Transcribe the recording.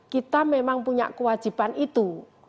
kita memang punya kewajiban itu